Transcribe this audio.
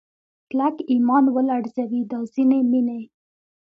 کلک ایمان ولړزوي دا ځینې مینې